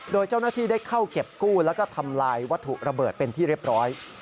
โดยเจ้าหน้าที่ได้เข้าเก็บกู้แล้วก็ทำลายวัตถุระเบิดเป็นที่เรียบร้อย